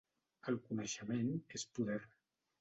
El coneixement és poder.